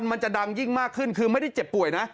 มันจะดังยิ่งมากขึ้นคือไม่ได้เจ็บป่วยนะ